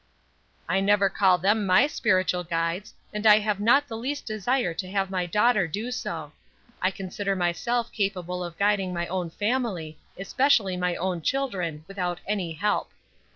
"I never call them my spiritual guides, and I have not the least desire to have my daughter do so. I consider myself capable of guiding my own family, especially my own children, without any help."